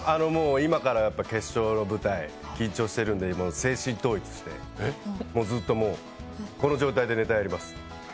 今から決勝の舞台緊張してるので、精神統一してずっともう、この状態でネタやります。